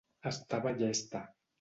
Estava llesta.